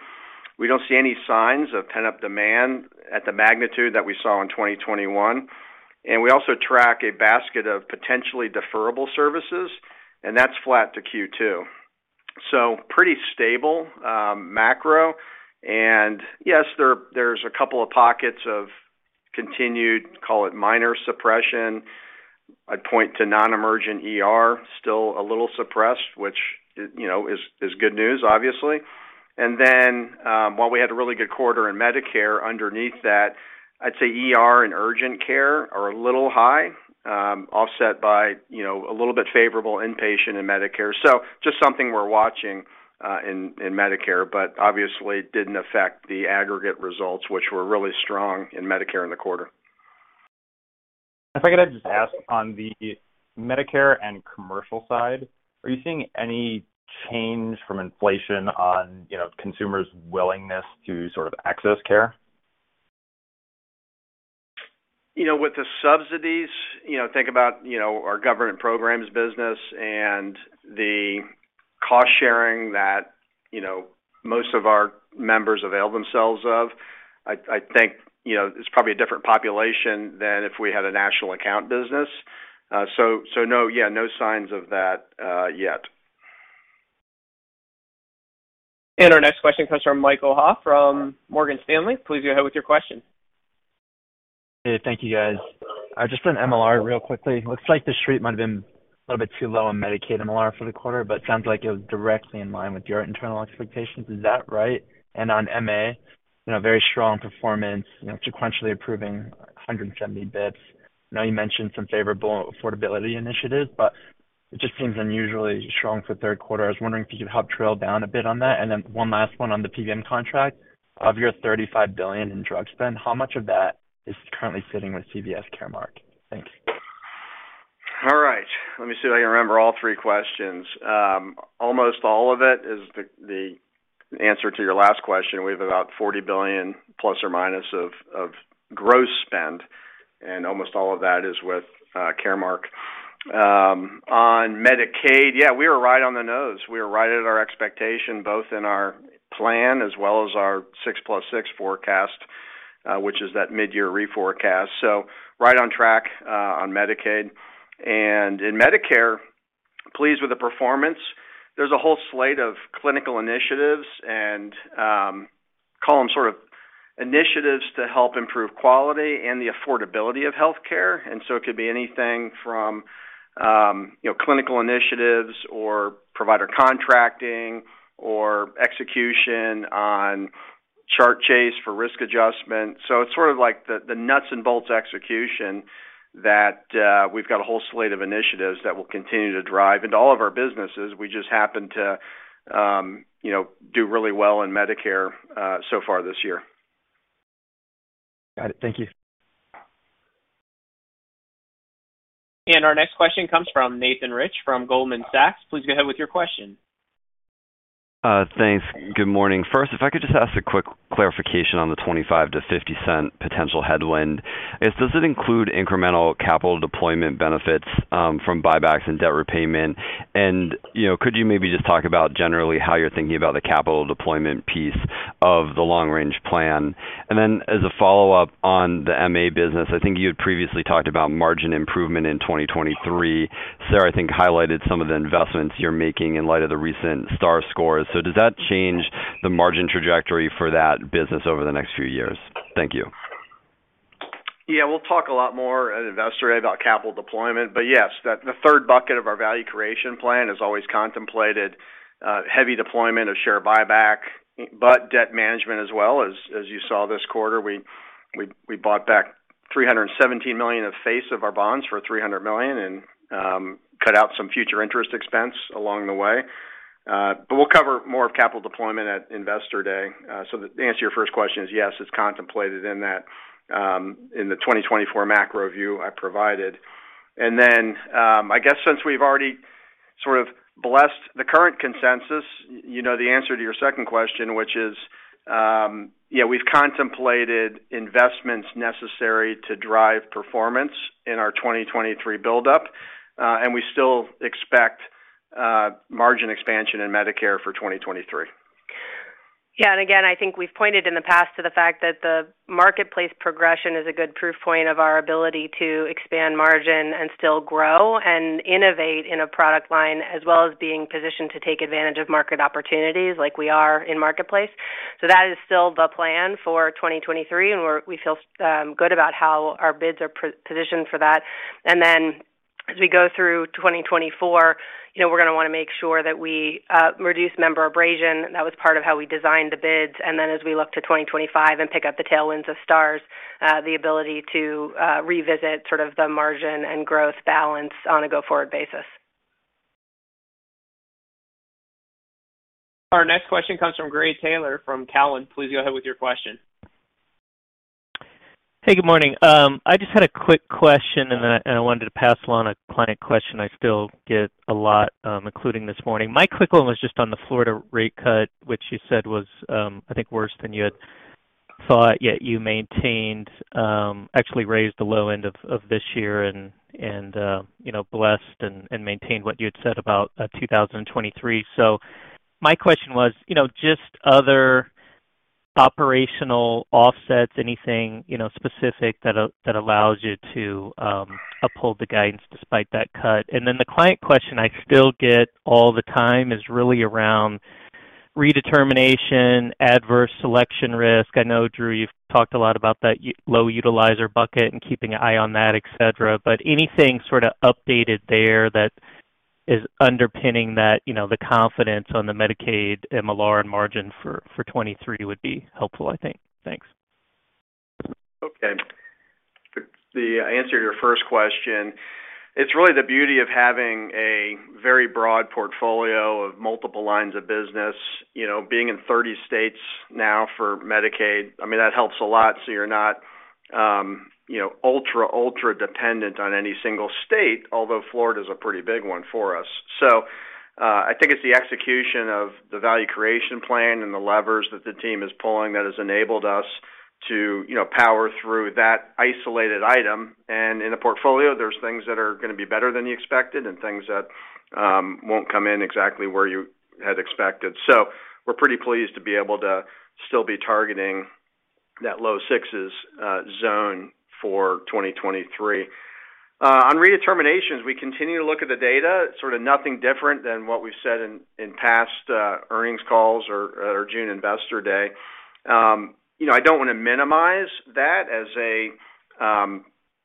We don't see any signs of pent-up demand at the magnitude that we saw in 2021. We also track a basket of potentially deferrable services, and that's flat to Q2. Pretty stable macro. Yes, there's a couple of pockets of continued, call it minor suppression. I'd point to non-emergent ER, still a little suppressed, which you know, is good news, obviously. Then, while we had a really good quarter in Medicare underneath that, I'd say ER and urgent care are a little high, offset by, you know, a little bit favorable inpatient and Medicare. Just something we're watching in Medicare, but obviously didn't affect the aggregate results, which were really strong in Medicare in the quarter. If I could just ask on the Medicare and commercial side, are you seeing any change from inflation on, you know, consumers' willingness to sort of access care? You know, with the subsidies, you know, think about, you know, our government programs business and the cost-sharing that, you know, most of our members avail themselves of. I think, you know, it's probably a different population than if we had a national account business. So no, yeah, no signs of that yet. Our next question comes from Michael Ha from Morgan Stanley. Please go ahead with your question. Hey, thank you, guys. Just on MLR real quickly. Looks like the street might have been a little bit too low on Medicaid MLR for the quarter, but sounds like it was directly in line with your internal expectations. Is that right? On MA, you know, very strong performance, you know, sequentially improving 170 basis points. I know you mentioned some favorable affordability initiatives, but it just seems unusually strong for third quarter. I was wondering if you could help drill down a bit on that. One last one on the PBM contract. Of your $35 billion in drug spend, how much of that is currently sitting with CVS Caremark? Thank you. All right. Let me see if I can remember all three questions. Almost all of it is the answer to your last question. We have about $40 billion ± of gross spend, and almost all of that is with Caremark. On Medicaid, yeah, we were right on the nose. We were right at our expectation, both in our plan as well as our six plus six forecast, which is that mid-year reforecast. Right on track on Medicaid. In Medicare, pleased with the performance. There's a whole slate of clinical initiatives and call them sort of initiatives to help improve quality and the affordability of health care. It could be anything from you know, clinical initiatives or provider contracting or execution on chart chase for risk adjustment. It's sort of like the nuts and bolts execution that we've got a whole slate of initiatives that we'll continue to drive into all of our businesses. We just happen to you know do really well in Medicare so far this year. Got it. Thank you. Our next question comes from Nathan Rich from Goldman Sachs. Please go ahead with your question. Thanks. Good morning. First, if I could just ask a quick clarification on the $0.25-$0.50 potential headwind. Does it include incremental capital deployment benefits from buybacks and debt repayment? You know, could you maybe just talk about generally how you're thinking about the capital deployment piece of the long-range plan? As a follow-up on the MA business, I think you had previously talked about margin improvement in 2023. Sarah, I think, highlighted some of the investments you're making in light of the recent Star scores. Does that change the margin trajectory for that business over the next few years? Thank you. Yeah, we'll talk a lot more at Investor Day about capital deployment, but yes, the third bucket of our Value Creation Plan has always contemplated heavy deployment of share buyback, but debt management as well. As you saw this quarter, we bought back $317 million of face of our bonds for $300 million and cut out some future interest expense along the way. We'll cover more of capital deployment at Investor Day. The answer to your first question is, yes, it's contemplated in that, in the 2024 macro view I provided. I guess since we've already sort of blessed the current consensus, you know the answer to your second question, which is, yeah, we've contemplated investments necessary to drive performance in our 2023 buildup, and we still expect margin expansion in Medicare for 2023. Yeah. Again, I think we've pointed in the past to the fact that the Marketplace progression is a good proof point of our ability to expand margin and still grow and innovate in a product line, as well as being positioned to take advantage of market opportunities like we are in Marketplace. That is still the plan for 2023, and we feel good about how our bids are positioned for that. As we go through 2024, you know, we're gonna wanna make sure that we reduce member attrition. That was part of how we designed the bids. As we look to 2025 and pick up the tailwinds of Stars, the ability to revisit sort of the margin and growth balance on a go-forward basis. Our next question comes from Gary Taylor from Cowen. Please go ahead with your question. Hey, good morning. I just had a quick question, and then I wanted to pass along a client question I still get a lot, including this morning. My quick one was just on the Florida rate cut, which you said was, I think worse than you had thought, yet you maintained, actually raised the low end of this year and you know, blessed and maintained what you had said about 2023. My question was, you know, just other operational offsets, anything, you know, specific that allows you to uphold the guidance despite that cut. Then the client question I still get all the time is really around redetermination, adverse selection risk. I know, Drew, you've talked a lot about that low utilizer bucket and keeping an eye on that, et cetera, but anything sort of updated there that is underpinning that, you know, the confidence on the Medicaid MLR and margin for 2023 would be helpful, I think. Thanks. Okay. The answer to your first question, it's really the beauty of having a very broad portfolio of multiple lines of business. You know, being in 30 states now for Medicaid, I mean, that helps a lot, so you're not, you know, ultra dependent on any single state, although Florida is a pretty big one for us. I think it's the execution of the Value Creation Plan and the levers that the team is pulling that has enabled us to, you know, power through that isolated item. In a portfolio, there's things that are gonna be better than you expected and things that won't come in exactly where you had expected. We're pretty pleased to be able to still be targeting that low sixes zone for 2023. On redeterminations, we continue to look at the data, sort of nothing different than what we've said in past earnings calls or June Investor Day. You know, I don't wanna minimize that as a,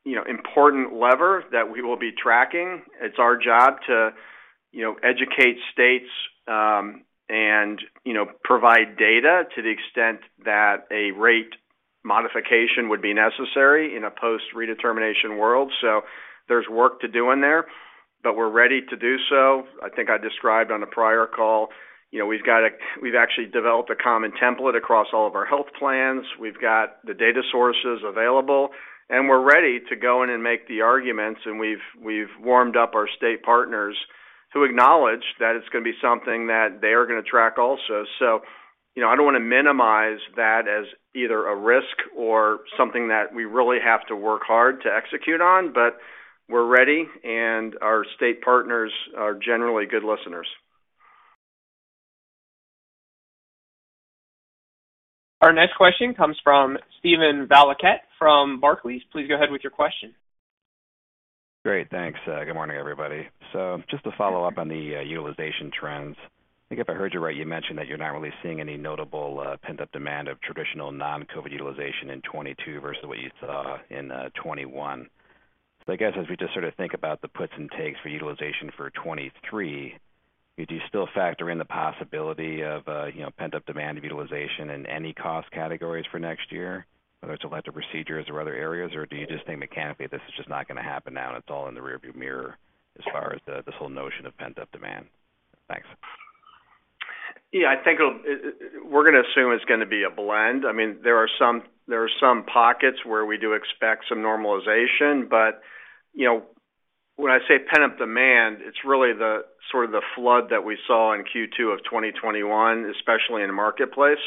you know, important lever that we will be tracking. It's our job to, you know, educate states, and, you know, provide data to the extent that a rate modification would be necessary in a post-redetermination world. There's work to do in there, but we're ready to do so. I think I described on a prior call, you know, we've actually developed a common template across all of our health plans. We've got the data sources available, and we're ready to go in and make the arguments, and we've warmed up our state partners to acknowledge that it's gonna be something that they are gonna track also. You know, I don't wanna minimize that as either a risk or something that we really have to work hard to execute on, but we're ready, and our state partners are generally good listeners. Our next question comes from Steven Valiquette from Barclays. Please go ahead with your question. Great. Thanks. Good morning, everybody. Just to follow up on the utilization trends. I think if I heard you right, you mentioned that you're not really seeing any notable pent-up demand of traditional non-COVID utilization in 2022 versus what you saw in 2021. I guess, as we just sort of think about the puts and takes for utilization for 2023, do you still factor in the possibility of you know, pent-up demand of utilization in any cost categories for next year, whether it's elective procedures or other areas? Or do you just think mechanically, this is just not gonna happen now, and it's all in the rear-view mirror as far as this whole notion of pent-up demand? Thanks. Yeah, I think we'll assume it's gonna be a blend. I mean, there are some pockets where we do expect some normalization, but you know, when I say pent-up demand, it's really the sort of flood that we saw in Q2 of 2021, especially in Marketplace,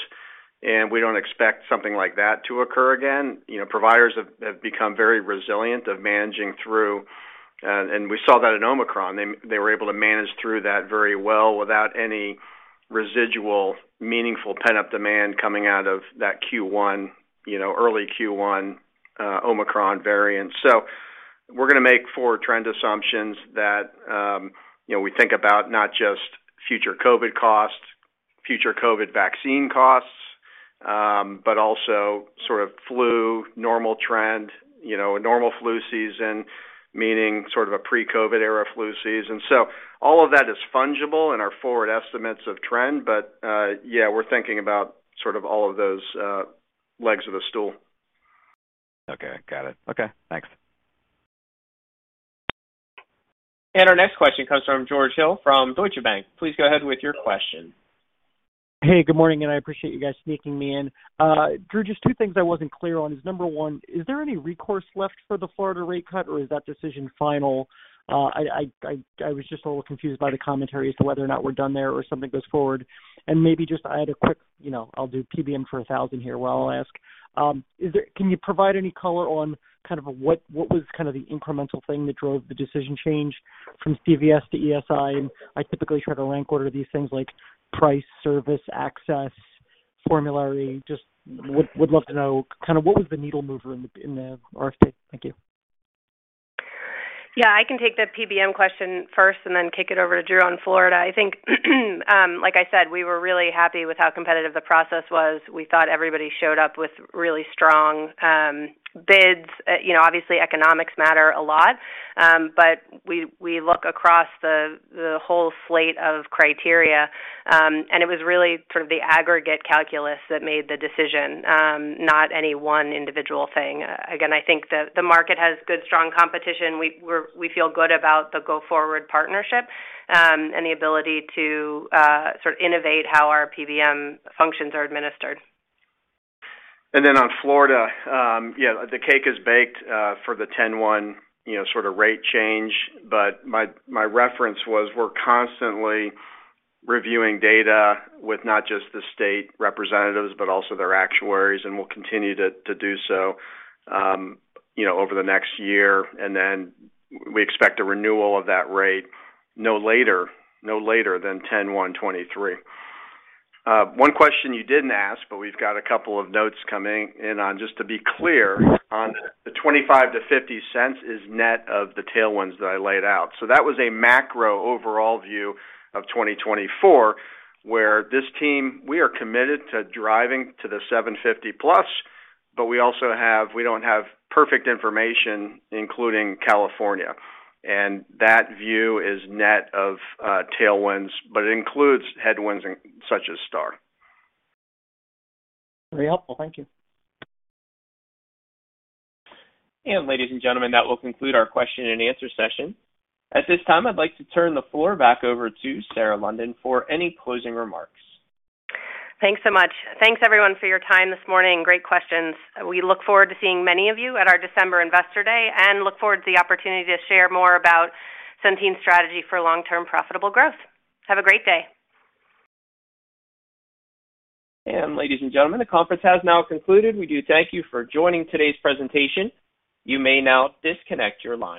and we don't expect something like that to occur again. You know, providers have become very resilient in managing through, and we saw that in Omicron. They were able to manage through that very well without any residual meaningful pent-up demand coming out of that Q1, you know, early Q1, Omicron variant. We're gonna make four trend assumptions that, you know, we think about not just future COVID costs, future COVID vaccine costs, but also sort of flu normal trend, you know, a normal flu season, meaning sort of a pre-COVID era flu season. All of that is fungible in our forward estimates of trend. Yeah, we're thinking about sort of all of those, legs of a stool. Okay. Got it. Okay. Thanks. Our next question comes from George Hill from Deutsche Bank. Please go ahead with your question. Hey, good morning, and I appreciate you guys sneaking me in. Drew, just two things I wasn't clear on is, number one, is there any recourse left for the Florida rate cut, or is that decision final? I was just a little confused by the commentary as to whether or not we're done there or something goes forward. Maybe just I had a quick, you know, I'll do PBM for a thousand here, what I'll ask. Is there? Can you provide any color on kind of what was kind of the incremental thing that drove the decision change from CVS to ESI? I typically try to rank order these things like price, service, access, formulary. Just would love to know kind of what was the needle mover in the RFP. Thank you. Yeah, I can take the PBM question first and then kick it over to Drew on Florida. I think, like I said, we were really happy with how competitive the process was. We thought everybody showed up with really strong bids. You know, obviously economics matter a lot. We look across the whole slate of criteria, and it was really sort of the aggregate calculus that made the decision, not any one individual thing. Again, I think the market has good, strong competition. We feel good about the go-forward partnership, and the ability to sort of innovate how our PBM functions are administered. Then on Florida, yeah, the cake is baked for the 10/1, you know, sort of rate change. My reference was we're constantly reviewing data with not just the state representatives, but also their actuaries, and we'll continue to do so, you know, over the next year. We expect a renewal of that rate no later than 10/1/2023. One question you didn't ask, but we've got a couple of notes coming in on, just to be clear, on the $0.25-$0.50 is net of the tailwinds that I laid out. That was a macro overall view of 2024, where this team, we are committed to driving to the $7.50+, but we also have, we don't have perfect information, including California, and that view is net of tailwinds, but it includes headwinds such as Stars. Very helpful. Thank you. Ladies and gentlemen, that will conclude our question and answer session. At this time, I'd like to turn the floor back over to Sarah London for any closing remarks. Thanks so much. Thanks everyone for your time this morning. Great questions. We look forward to seeing many of you at our December Investor Day and look forward to the opportunity to share more about Centene's strategy for long-term profitable growth. Have a great day. Ladies and gentlemen, the conference has now concluded. We do thank you for joining today's presentation. You may now disconnect your line.